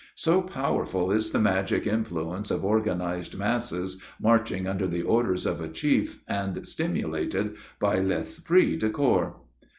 So powerful is the magic influence of organized masses, marching under the orders of a chief, and stimulated by l'esprit de corps.